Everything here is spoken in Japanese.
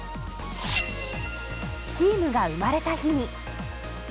チームが生まれた日に。